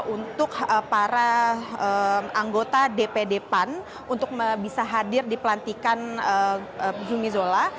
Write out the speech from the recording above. untuk para anggota dpd pan untuk bisa hadir di pelantikan zumi zola